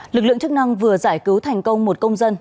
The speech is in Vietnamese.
lực lượng chức năng vừa giải cứu thành công một công dân